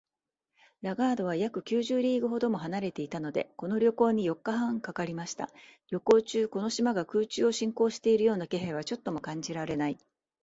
ラガードは約九十リーグほど離れていたので、この旅行には四日半かかりました。旅行中、この島が空中を進行しているような気配はちょっとも感じられない